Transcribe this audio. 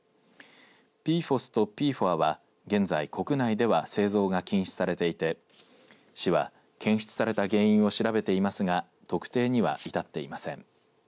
ＰＦＯＳとＰＦＯＡは、現在国内では製造が禁止されていて市は検出された原因を調べていますが特定には至っていません。